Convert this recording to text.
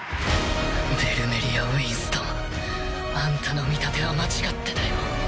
ベルメリア・ウィンストンあんたの見立ては間違ってたよ。